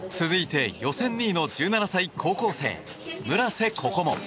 続いて予選２位の１７歳高校生、村瀬心椛。